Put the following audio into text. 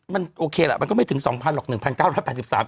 มันโอเคแหละมันก็ไม่ถึงสองพันหลอกหนึ่งพันเก้าระ